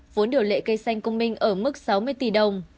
vốn điều lệ cây xanh công minh ở mức sáu mươi tỷ đồng